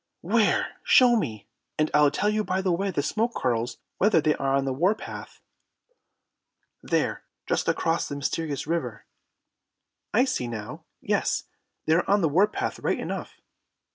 "Where? Show me, and I'll tell you by the way smoke curls whether they are on the war path." "There, just across the Mysterious River." "I see now. Yes, they are on the war path right enough."